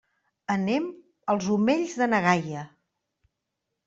Anem als Omells de na Gaia.